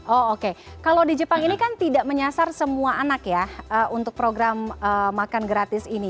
oh oke kalau di jepang ini kan tidak menyasar semua anak ya untuk program makan gratis ini